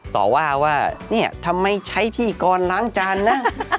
ต่อว่าว่านี่ทำไมใช้พี่ก่อนล้างจานนะ